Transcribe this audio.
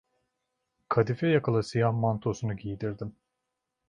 Kadife yakalı siyah mantosunu giydirdim.